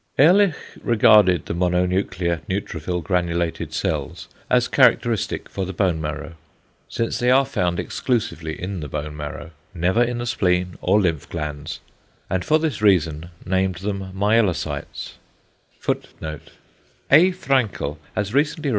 = Ehrlich regarded the mononuclear neutrophil granulated cells as characteristic for the bone marrow, since they are found exclusively in the bone marrow, never in the spleen or lymph glands, and for this reason named them "=myelocytes=," [Greek: kat' exochên].